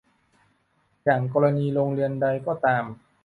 อย่างกรณีโรงเรียนใดก็ตาม